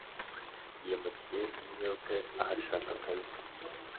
Yimukiye i New York, ahashaka akazi.